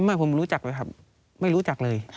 ไม่ผมรู้จักเลยครับไม่รู้จักเลย